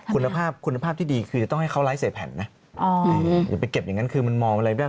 คุณภาพที่ดีคือจะต้องให้เขาไลท์เสียแผ่นนะอย่าไปเก็บอย่างนั้นคือมันมองอะไรไม่ได้